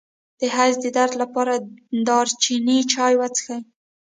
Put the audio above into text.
د حیض د درد لپاره د دارچینی چای وڅښئ